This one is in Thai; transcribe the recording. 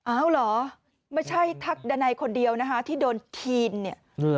อ้าวเหรอไม่ใช่ทักดันัยคนเดียวนะคะที่โดนทีนเนี่ย